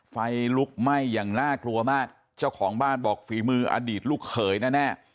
ไฟลุกไหม้อย่างน่ากลัวมากเจ้าของบ้านบอกฝีมืออดีตลูกเขยแน่